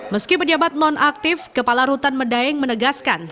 meski pejabat non aktif kepala rutan medaeng menegaskan